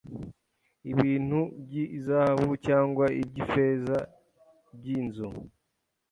ibintu by izahabu cyangwa iby ifeza by inzu